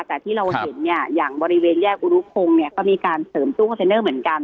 แต่ที่เราเห็นเนี่ยอย่างบริเวณแยกอุรุพงศ์เนี่ยก็มีการเสริมตู้คอนเทนเนอร์เหมือนกัน